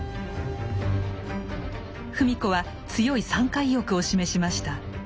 芙美子は強い参加意欲を示しました。